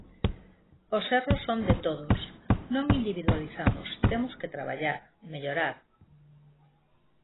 Os erros son de todos, non individualizamos, temos que traballar, mellorar.